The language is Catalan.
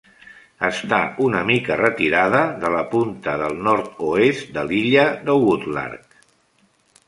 Està una mica retirada de la punta del nord-oest de l'illa de Woodlark.